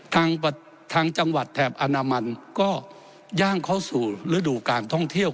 ทางจังหวัดแถบอนามันก็ย่างเข้าสู่ฤดูการท่องเที่ยว